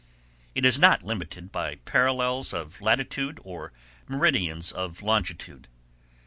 It is not limited by parallels of latitude, or meridians of longitude.